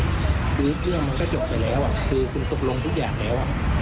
เรื่องมันก็จบไปแล้วอ่ะคือคุณตกลงทุกอย่างแล้วน่ะครับ